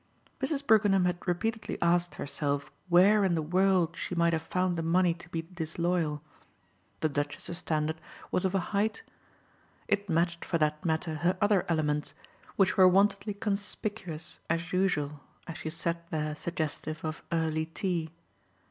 Mrs. Brookenham had repeatedly asked herself where in the world she might have found the money to be disloyal. The Duchess's standard was of a height ! It matched for that matter her other elements, which were wontedly conspicuous as usual as she sat there suggestive of early tea.